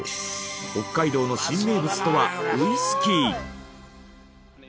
北海道の新名物とはウイスキー。